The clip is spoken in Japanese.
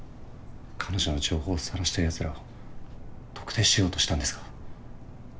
彼女の情報をさらしたヤツらを特定しようとしたんですが。